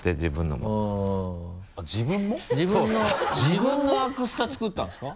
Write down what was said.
自分のアクスタ作ったんですか？